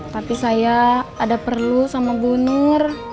tapi saya ada perlu sama bu nur